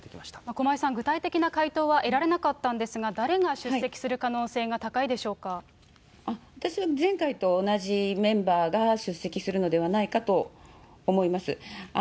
駒井さん、具体的な回答は得られなかったんですが、誰が出席前回と同じメンバーが出席するのではないかと思います。